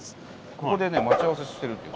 ここでね待ち合わせしてるという。